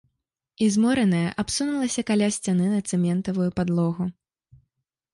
І, змораная, абсунулася каля сцяны на цэментаваную падлогу.